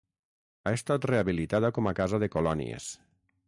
Ha estat rehabilitada com a casa de colònies.